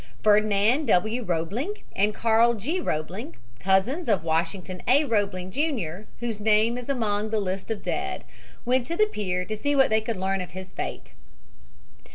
Ferdinand W. Roebling and Carl G. Roebling, cousins of Washington A. Roebling, Jr., whose name is among the list of dead, went to the pier to see what they could learn of his fate.